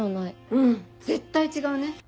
うん絶対違うね。